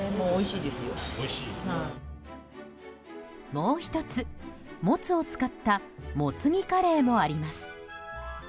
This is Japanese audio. もう１つ、もつを使ったもつ煮カレーもあります。